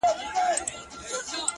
د خپل ژوند په يوه خړه آئينه کي؛